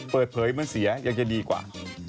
เปิดเผยมันเสียยังจะดีกว่า